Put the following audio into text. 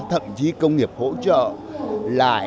thậm chí công nghiệp hỗ trợ lại